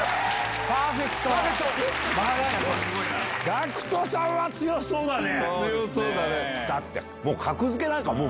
ＧＡＣＫＴさんは強そうだね。